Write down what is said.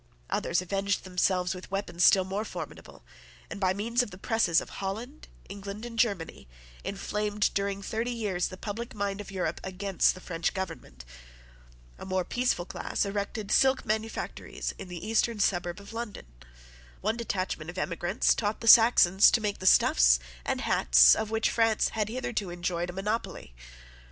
Others avenged themselves with weapons still more formidable, and, by means of the presses of Holland, England, and Germany, inflamed, during thirty years, the public mind of Europe against the French government. A more peaceful class erected silk manufactories in the eastern suburb of London. One detachment of emigrants taught the Saxons to make the stuffs and hats of which France had hitherto enjoyed a monopoly.